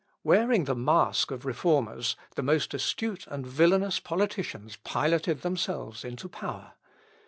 Wearing the mask of reformers the most astute and villainous politicians piloted themselves into power.